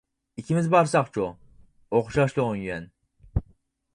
— ئىككىمىز بارساقچۇ؟ — ئوخشاشلا ئون يۈەن.